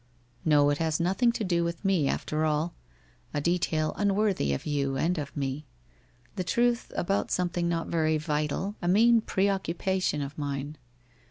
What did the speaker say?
' Xo, it has nothing to do with me, after all. A detail, unworthy of you and of me. The truth about something not very vital, a mean pre occupation of mine.